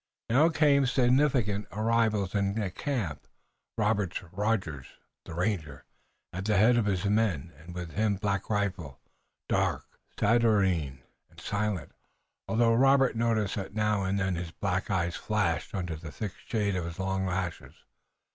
Now came significant arrivals in the camp, Robert Rogers, the ranger, at the head of his men, and with him Black Rifle, dark, saturnine and silent, although Robert noticed that now and then his black eyes flashed under the thick shade of his long lashes.